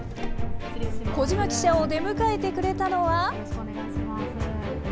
小島記者を出迎えてくれたのは。